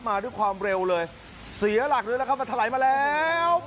มาด้วยความเร็วเลยเสียหลักเลยนะครับมันถลายมาแล้ว